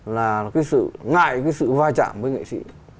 là cái sự ngại cái sự vai trạm với nghệ sĩ